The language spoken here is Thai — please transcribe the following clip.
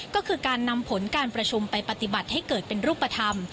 ก็คือการนำผลการประชุมไปปฏิบัติให้เกิดเป็นรูปธรรม